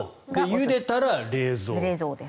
ゆでたら冷蔵。